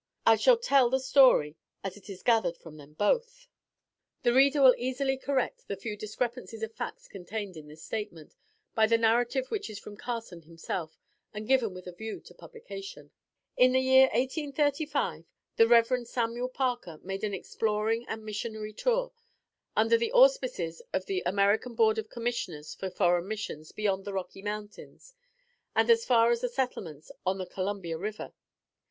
I shall tell the story as it is gathered from them both. [Footnote 8: Charles Wentworth Upham.] [Footnote 9: The reader will easily correct the few discrepancies of facts contained in this statement, by the narrative which is from Carson himself, and given with a view to publication.] "In the year 1835, the Rev. Samuel Parker made an exploring and missionary tour, under the auspices of the American Board of Commissioners for Foreign Missions, beyond the Rocky Mountains, and as far as the settlements on the Columbia River.